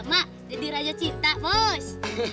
udah lama jadi raja cinta mos